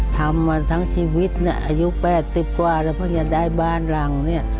ทำมาทั้งชีวิตอายุ๘๐กว่าแล้วพอยังได้บ้านหลัง